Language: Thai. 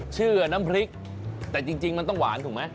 ชื่อน้ำพริกแต่จริงมันต้องหวานถูกไหม